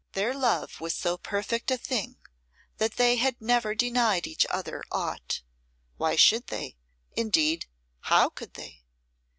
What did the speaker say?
Their love was so perfect a thing that they had never denied each other aught. Why should they; indeed, how could they?